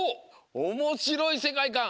おもしろいせかいかん！